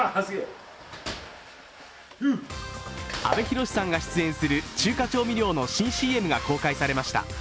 阿部寛さんが出演する中華調味料の新ＣＭが公開されました。